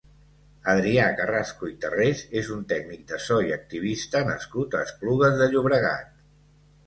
Adrià Carrasco i Tarrés és un tècnic de so i activista nascut a Esplugues de Llobregat.